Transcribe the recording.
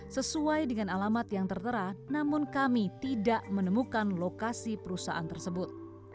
sesuai dengan alamat yang tertera namun kami tidak menemukan lokasi perusahaan tersebut